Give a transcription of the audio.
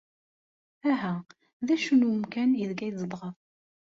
Aha, d acu n wemkan aydeg tzedɣeḍ?